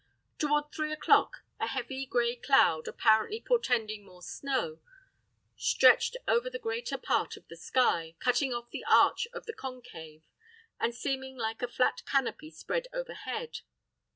Toward three o'clock a heavy, gray cloud, apparently portending more snow, stretched over the greater part of the sky, cutting off the arch of the concave, and seeming like a flat canopy spread overhead.